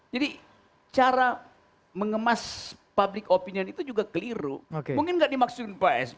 jadi cara mengemas public opinion itu juga keliru mungkin nggak dimaksudin pak jokowi